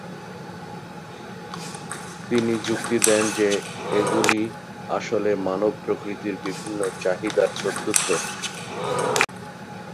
তিনি যুক্তি দেন যে এগুলি আসলে মানব প্রকৃতির বিভিন্ন চাহিদার প্রত্যুত্তর।